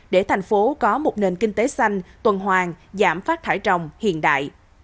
để thành phố có một nền kinh tế xanh tuần hoàng giảm phát thải trồng hiện đại